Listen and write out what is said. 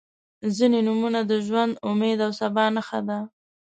• ځینې نومونه د ژوند، امید او سبا نښه ده.